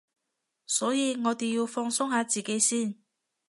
所以我哋要放鬆下自己先